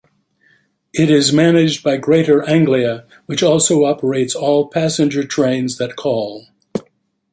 It is managed by Greater Anglia, which also operates all passenger trains that call.